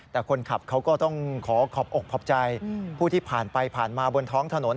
แต่คนขับเขาก็ต้องขอขอบอกขอบใจผู้ที่ผ่านไปผ่านมาบนท้องถนน